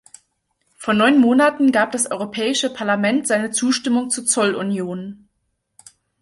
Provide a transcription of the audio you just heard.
Vor neun Monaten gab das Europäische Parlament seine Zustimmung zur Zollunion.